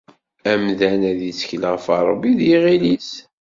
Amdan ad ittkel ɣef Rebbi d yiɣil-is.